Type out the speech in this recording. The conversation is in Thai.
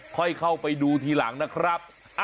ค่อยเข้าไปดูทีหลังนะครับ